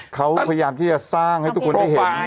เขาพยายามที่จะสร้างให้ทุกคนได้เห็น